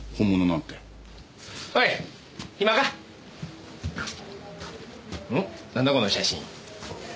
なんだこの写真？